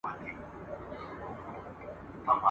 کله کله هم شاعر بې موضوع وي !.